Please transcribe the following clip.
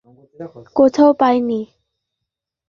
আমরা রাতেই বিভিন্ন স্থানে তার খোঁজ করি, কিন্তু তাকে কোথাও পাইনি।